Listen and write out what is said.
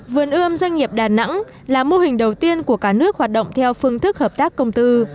vườn ươm doanh nghiệp đà nẵng là mô hình đầu tiên của cả nước hoạt động theo phương thức hợp tác công tư